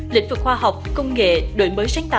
lĩnh vực khoa học công nghệ đổi mới sáng tạo